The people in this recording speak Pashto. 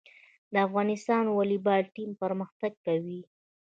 د افغانستان والیبال ټیم پرمختګ کوي